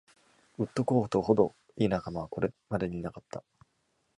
ウッドコートほど良い仲間はこれまでにいなかった。